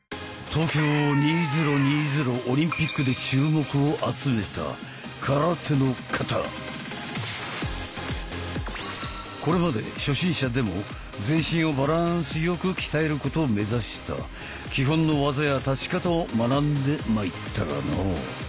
東京２０２０オリンピックで注目を集めたこれまで初心者でも全身をバランスよく鍛えることを目指した基本の技や立ち方を学んでまいったがのう。